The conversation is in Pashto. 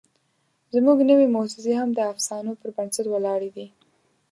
زموږ نوې موسسې هم د افسانو پر بنسټ ولاړې دي.